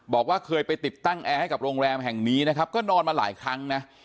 บอกว่าเคยไปติดตั้งแอร์ให้กับโรงแรมแห่งนี้นะครับก็นอนมาหลายครั้งนะ